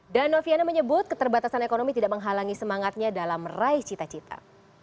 dan noviana menyebut keterbatasan ekonomi tidak menghalangi semangatnya dalam meraih cita cita